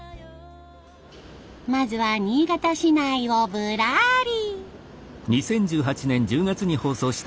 まずは新潟市内をぶらり。